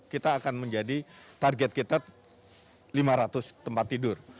kita akan menjadi target kita lima ratus tempat tidur